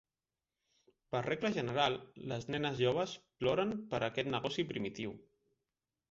Per regla general, les nenes joves ploren per aquest negoci primitiu.